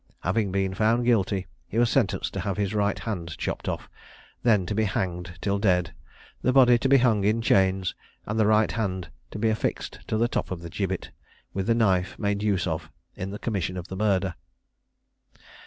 Having been found guilty, he was sentenced to have his right hand chopped off, then to be hanged till dead, the body to be hung in chains, and the right hand to be affixed at the top of the gibbet, with the knife made use of in the commission of the murder.